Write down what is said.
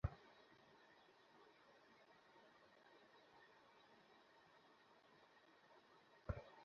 ভাবি, এই সময় সোম সরোবরে আবহাওয়া কেমন হবে?